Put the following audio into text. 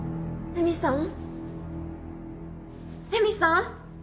絵美さん？